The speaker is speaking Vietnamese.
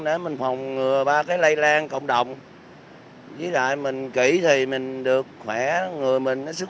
để mình phòng ngừa ba cái lây lan cộng đồng với lại mình kỹ thì mình được khỏe người mình sức